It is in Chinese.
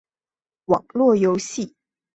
网络游戏